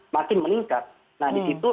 makin meningkat nah di situ